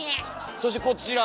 そしてこちら！